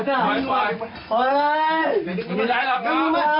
คุณใหญ่ก็อยู่นี่เองน้ำ